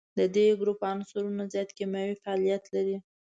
د دې ګروپ عنصرونه زیات کیمیاوي فعالیت لري.